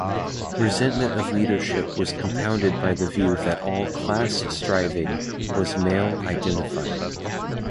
Resentment of leadership was compounded by the view that all "class striving" was "male-identified".